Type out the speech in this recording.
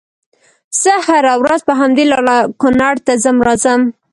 زه هره ورځ په همدې لار کونړ ته ځم راځم